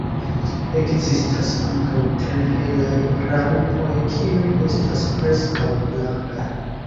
Ekzistas ankaŭ tre helaj raŭpoj, kiuj estas preskaŭ blankaj.